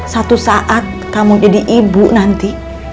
satu saat kamu jadi ibu nanti